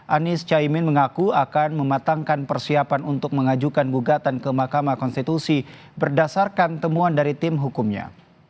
anies caimin mengaku akan mematangkan persiapan untuk mengajukan gugatan ke mahkamah konstitusi berdasarkan temuan dari tim hukumnya